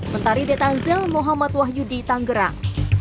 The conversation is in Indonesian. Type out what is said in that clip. mentari detanzil muhammad wahyudi tanggerang